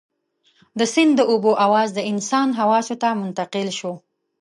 د سيند د اوبو اواز د انسان حواسو ته منتقل شو.